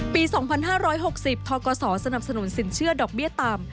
ปี๒๕๖๐ทกศสนับสนุนสินเชื่อดอกเบี้ยต่ำ